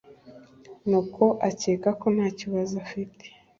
nuko akeka ko nta kibazo afite.